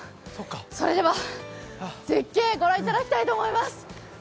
それでは、絶景御覧いただきたいと思います。